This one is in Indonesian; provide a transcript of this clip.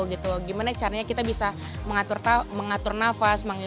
gimana caranya kita bisa mengatur nafas